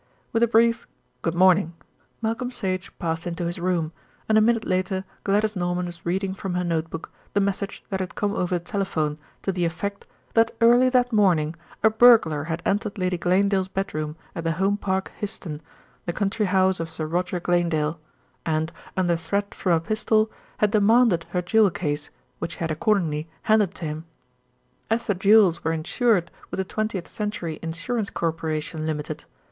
With a brief "Good morning," Malcolm Sage passed into his room, and a minute later Gladys Norman was reading from her note book the message that had come over the telephone to the effect that early that morning a burglar had entered Lady Glanedale's bedroom at the Home Park, Hyston, the country house of Sir Roger Glanedale, and, under threat from a pistol, had demanded her jewel case, which she had accordingly handed to him. As the jewels were insured with the Twentieth Century Insurance Corporation, Ltd.